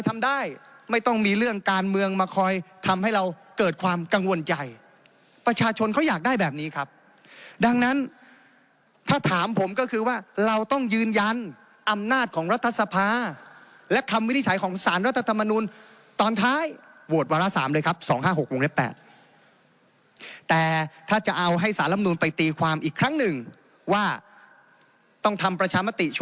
ทำได้ไม่ต้องมีเรื่องการเมืองมาคอยทำให้เราเกิดความกังวลใจประชาชนเขาอยากได้แบบนี้ครับดังนั้นถ้าถามผมก็คือว่าเราต้องยืนยันอำนาจของรัฐสภาและคำวินิจฉัยของสารรัฐธรรมนูลตอนท้ายโหวตวาระ๓เลยครับ๒๕๖วงเล็บ๘แต่ถ้าจะเอาให้สารลำนูนไปตีความอีกครั้งหนึ่งว่าต้องทำประชามติช